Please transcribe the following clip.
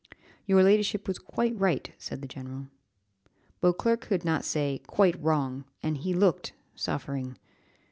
"Your ladyship was quite right," said the general. Beauclerc could not say, "Quite wrong," and he looked suffering.